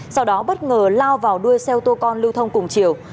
sau đó bất ngờ lao vào đuôi xeo tô con lưu thông cùng chiều